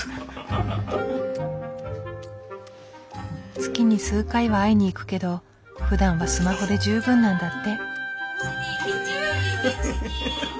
月に数回は会いに行くけどふだんはスマホで十分なんだって。